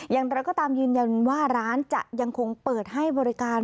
อย่างไรก็ตามยืนยันว่าร้านจะยังคงเปิดให้บริการ